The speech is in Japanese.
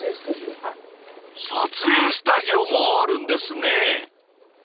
［撮影スタジオもあるんですね］